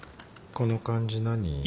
この感じ何？